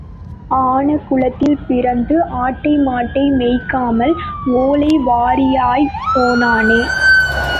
ஆன குலத்தில் பிறந்து ஆட்டை மாட்டை மேய்க்காமல் ஓலைவாரியாய்ப் போனானே!